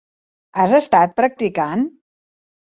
Has estat practicant?